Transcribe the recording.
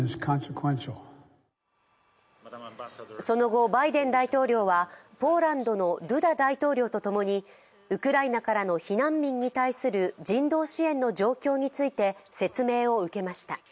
その後、バイデン大統領はポーランドのドゥダ大統領とともに、ウクライナからの避難民に対する人道支援の状況について説明を受けました。